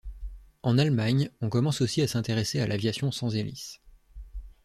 En Allemagne, on commence aussi à s’intéresser à l’aviation sans hélice.